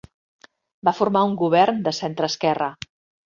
Va formar un govern de centreesquerra.